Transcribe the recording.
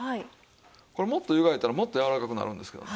これもっと湯がいたらもっとやわらかくなるんですけどね